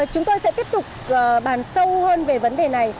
chúng tôi sẽ tiếp tục bàn sâu hơn về vấn đề này